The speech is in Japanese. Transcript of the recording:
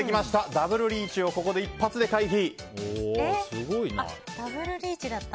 ダブルリーチを一発で回避。